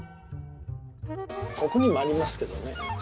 ここにもありますけどね。